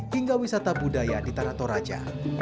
hingga wisata budaya di tanah toraja